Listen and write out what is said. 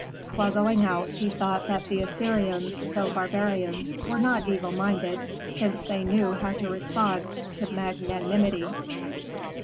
While going out, he thought that the Assyrians, though barbarians, were not evil minded, since they knew how to respond to magnanimity.